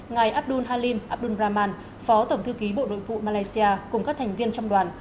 ngài abdul halim abdul rahman phó tổng thư ký bộ đội vụ malaysia cùng các thành viên trong đoàn